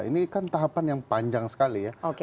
ini kan tahapan yang panjang sekali ya